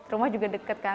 rumah juga deket kan